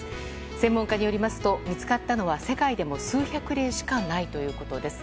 専門家によりますと見つかったのは世界でも数百例しかないということです。